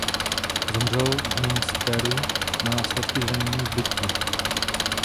Zemřel v Münsteru na následky zranění z bitvy.